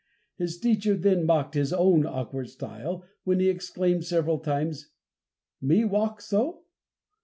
His teacher then mocked his own awkward style, when he exclaimed several times: "me walk so?"